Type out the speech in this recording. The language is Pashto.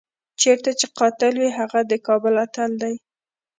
چېرته چې قاتل وي هغه د کابل اتل دی.